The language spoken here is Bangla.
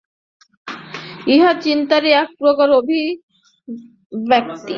ইহা চিন্তারই এক প্রকার অভিব্যক্তি।